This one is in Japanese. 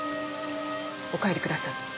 お帰りください。